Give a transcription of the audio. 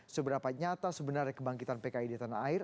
seberapa nyata sebenarnya kebangkitan pki di tanah air